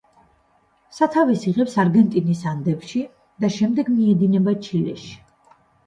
სათავეს იღებს არგენტინის ანდებში და შემდეგ მიედინება ჩილეში.